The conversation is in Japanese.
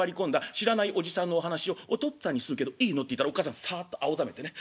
知らないおじさんのお話をお父っつぁんにするけどいいの？』って言ったらおっ母さんさっと青ざめてね